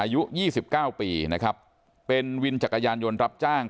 อายุยี่สิบเก้าปีนะครับเป็นวินจักรยานยนต์รับจ้าง